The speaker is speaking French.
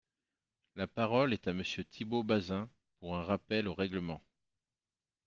La parole est à Monsieur Thibault Bazin, pour un rappel au règlement.